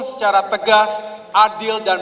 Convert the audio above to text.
secara tegas adil dan